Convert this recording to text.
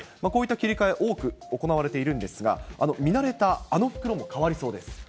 こういった切り替え、多く行われているんですが、見慣れたあの袋も変わりそうです。